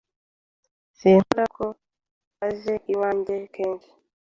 Sinkunda ko aje iwanjye kenshi.